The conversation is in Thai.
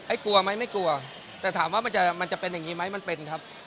กลัวไหมไม่กลัวแต่ถามว่ามันจะมันจะเป็นอย่างนี้ไหมมันเป็นครับ